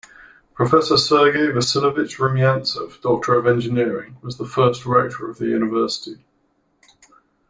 Professor Sergey Vasilievich Rumiantsev, Doctor of Engineering, was the first Rector of the University.